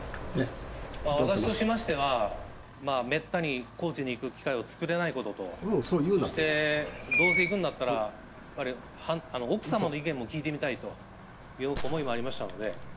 私としましては、めったに高知に行く機会を作れないことと、そしてどうせ行くんだったら、奥様の意見も聞いてみたいという思いもありましたので。